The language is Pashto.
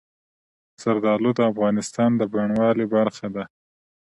زردالو د افغانستان د بڼوالۍ برخه ده.